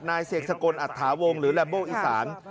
นายเสกศกลอัตถาวงหรือแหลมโบ๊คอีสาน